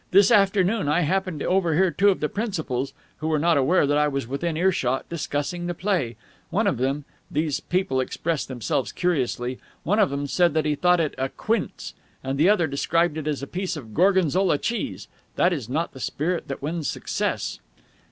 "This afternoon I happened to overhear two of the principals, who were not aware that I was within earshot, discussing the play. One of them these people express themselves curiously one of them said that he thought it a quince: and the other described it as a piece of gorgonzola cheese! That is not the spirit that wins success!"